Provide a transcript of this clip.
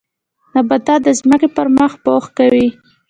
نباتات د ځمکې پر مخ پوښښ کوي